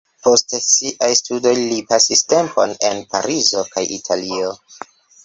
Post siaj studoj li pasis tempon en Parizo kaj Italio.